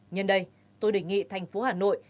nhân đây tôi đề nghị tp hà nội